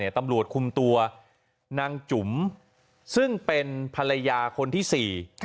ตำรวจคุมตัวนางจุ๋มซึ่งเป็นภรรยาคนที่สี่